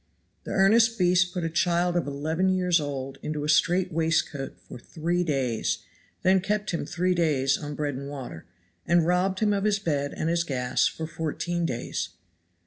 The earnest beast put a child of eleven years old into a strait waistcoat for three days, then kept him three days on bread and water, and robbed him of his bed and his gas for fourteen days.